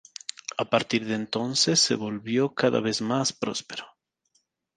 A partir de entonces se volvió cada vez más próspero.